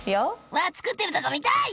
わ作ってるとこ見たい！